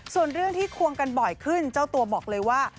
ส่วนเรื่องที่ควงกันบ่อยขึ้นเจ้าตัวบอกเลยว่า